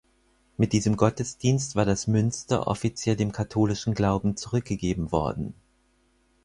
Mit diesem Gottesdienst war das Münster offiziell dem katholischen Glauben zurückgegeben worden.